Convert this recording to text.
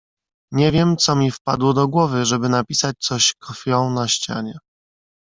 "Nie wiem co mi wpadło do głowy, żeby napisać coś krwią na ścianie."